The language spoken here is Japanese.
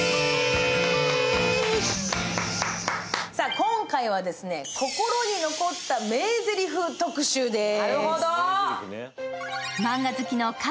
今回は心に残った名ぜりふ特集です。